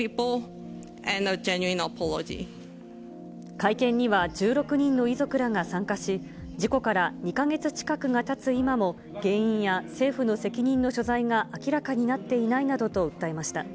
会見には、１６人の遺族らが参加し、事故から２か月近くがたつ今も、原因や政府の責任の所在が明らかになっていないなどと訴えました。